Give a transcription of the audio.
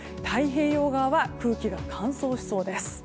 太平洋側は空気が乾燥しそうです。